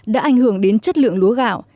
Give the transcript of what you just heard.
đã ảnh hưởng đến chất lượng lúa gạo